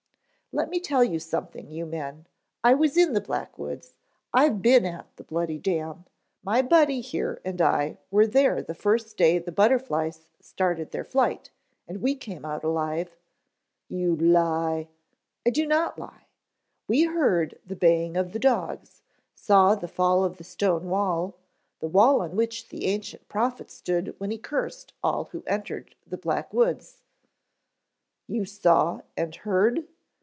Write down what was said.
"Let me tell you something, you men. I was in the Black Woods, I've been at the Bloody Dam, my buddy here and I were there the first day the butterflies started their flight, and we came out alive " "You lie " "I do not lie. We heard the baying of the dogs, saw the fall of the stone wall, the wall on which the ancient prophet stood when he cursed all who entered the Black Woods " "You saw and heard?"